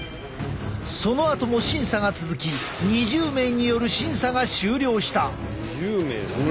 そのあとも審査が続き２０名による審査が終了した。